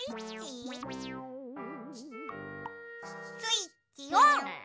スイッチオン！